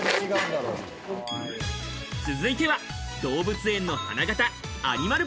続いては動物園の花形アニマル